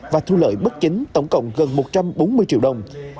và thu lợi bất chính tổng cộng gần một trăm bốn mươi triệu đồng